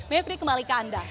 mevry kembali ke anda